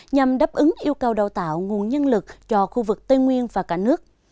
nhằm đáp ứng yêu cầu đào tạo nguồn nhân lực cho khu vực tây nguyên và cả nước